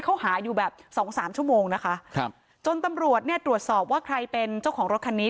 เขาหาอยู่แบบ๒๓ชั่วโมงนะคะจนตำรวจตรวจสอบว่าใครเป็นเจ้าของรถคันนี้